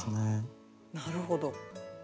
なるほど。